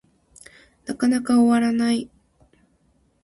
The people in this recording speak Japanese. なかなか終わらない